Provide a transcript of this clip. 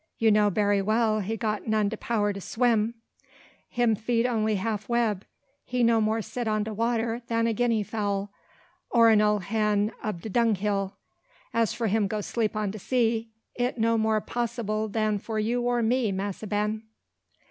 You know berry well he not got de power to swim, him feet only half web. He no more sit on de water dan a guinea fowl, or a ole hen ob de dunghill. As for him go 'sleep on de sea, it no more possyble dan for you or me, Massa Ben."